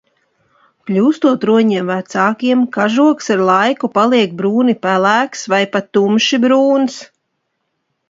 Kļūstot roņiem vecākiem, kažoks ar laiku paliek brūni pelēks vai pat tumši brūns.